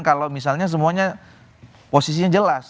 kalau misalnya semuanya posisinya jelas